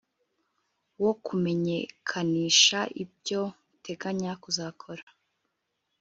wo kumenyekanisha ibyo uteganya kuzakora